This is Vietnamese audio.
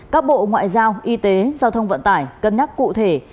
các bộ ngoại giao y tế giao thông vận tải cân nhắc cụ thể